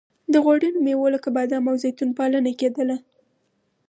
د غوړینو میوو لکه بادام او زیتون پالنه کیدله.